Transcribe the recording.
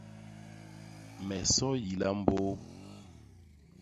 Me so yila mbôô.